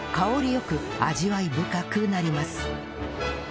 よく味わい深くなります